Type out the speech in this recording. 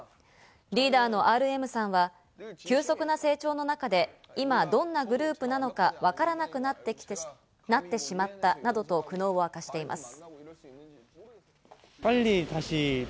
リーダーのＲＭさんは急速な成長の中で今どんなグループなのか、わからなくなってしまったなどと苦悩を明かしています。